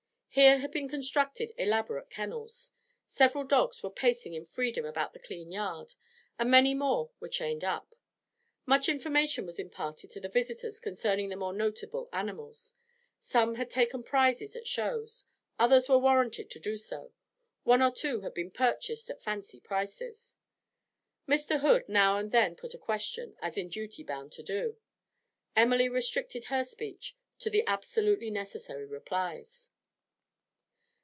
Here had been constructed elaborate kennels; several dogs were pacing in freedom about the clean yard, and many more were chained up. Much information was imparted to the visitors concerning the more notable animals; some had taken prizes at shows, others were warranted to do so, one or two had been purchased at fancy prices. Mr. Hood now and then put a question, as in duty bound to do; Emily restricted her speech to the absolutely necessary replies.